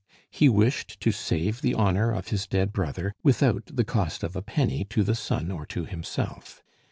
He wished to save the honor of his dead brother without the cost of a penny to the son or to himself.